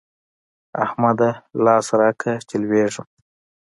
احمده! لاس راکړه چې لوېږم.